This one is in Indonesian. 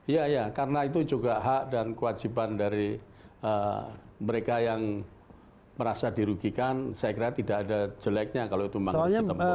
iya iya karena itu juga hak dan kewajiban dari mereka yang merasa dirugikan saya kira tidak ada jeleknya kalau itu memang harus ditemukan